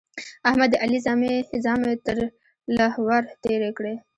احمد د علي زامې تر له ور تېرې کړې.